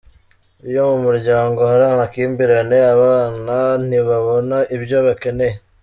Iyo mu muryango hari amakimbirane, abana ntibabona ibyo bakeneye.